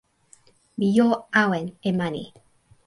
mi jo awen e mani.